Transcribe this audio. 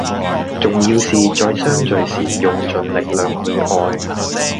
重要是在相聚時用盡力量去愛